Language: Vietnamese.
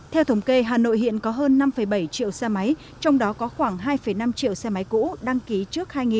theo thống kê hà nội hiện có hơn năm bảy triệu xe máy trong đó có khoảng hai năm triệu xe máy cũ đăng ký trước hai nghìn